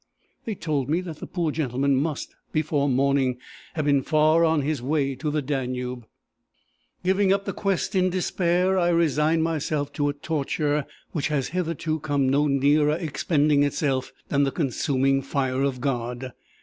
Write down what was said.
They told me that the poor gentleman must, before morning, have been far on his way to the Danube. "Giving up the quest in despair, I resigned myself to a torture which has hitherto come no nearer expending itself than the consuming fire of God.